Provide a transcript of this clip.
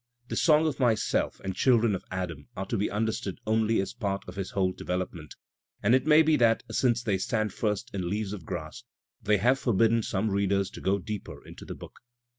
The " Song of Myself " and " Children of Adam " are to be understood only as part of his whole development, and it may be that since they stand first in "Leaves of Grass," they have forbidden some readers to go deeper into the book.